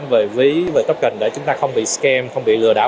về ví về token để chúng ta không bị scam không bị lừa đảo